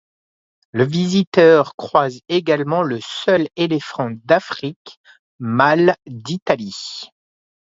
Le visiteur croise également le seul éléphant d'Afrique mâle d'Italie.